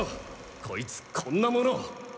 こいつこんな物を！